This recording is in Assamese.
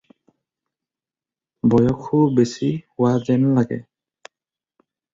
বয়সো বেচি হোৱা যেন লাগে।